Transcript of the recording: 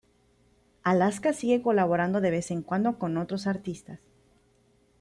Alaska sigue colaborando de vez en cuando con otros artistas.